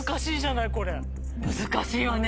難しいわね。